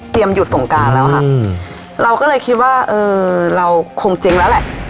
หยุดสงการแล้วค่ะเราก็เลยคิดว่าเออเราคงเจ๊งแล้วแหละ